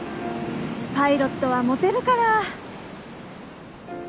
パイロットはモテるから。